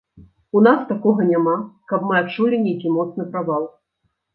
У нас такога няма, каб мы адчулі нейкі моцны правал.